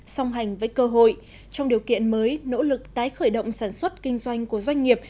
song hành với cơ hội trong điều kiện mới nỗ lực tái khởi động sản xuất kinh doanh của doanh nghiệp